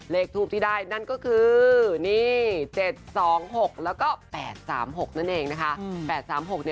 เลขทูปที่ได้นั่นก็คือนี่๗๒๖แล้วก็๘๓๖นั่นเองนะคะ